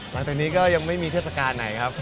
หลังจากนี้ก็ยังไม่มีเทศกาลไหนครับ